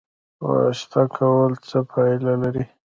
واسطه کول څه پایله لري؟